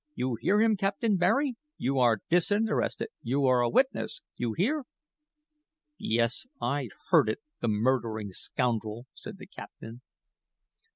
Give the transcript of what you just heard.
You hear him, Captain Barry. You are disinterested. You are a witness. You hear?" "Yes, I heard it the murdering scoundrel," said the captain.